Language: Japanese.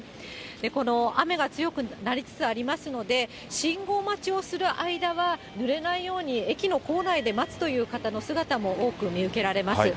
この雨が強くなりつつありますので、信号待ちをする間は、ぬれないように駅の構内で待つという方の姿も多く見受けられます。